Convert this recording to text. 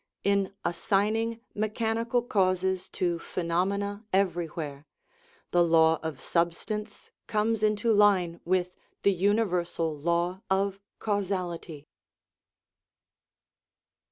In assigning mechanical causes to phenomena everywhere, the law of substance conies into line with the universal law of causality.